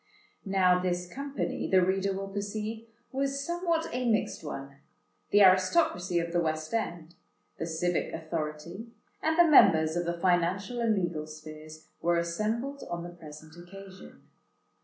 Now this company, the reader will perceive, was somewhat a mixed one: the aristocracy of the West End, the civic authority, and the members of the financial and legal spheres, were assembled on the present occasion.